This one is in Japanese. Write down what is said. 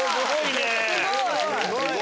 すごいね！